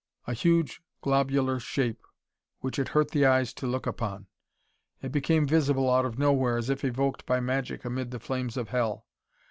A huge globular shape which it hurt the eyes to look upon. It became visible out of nowhere as if evoked by magic amid the flames of hell.